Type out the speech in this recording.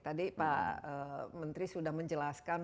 tadi pak menteri sudah menjelaskan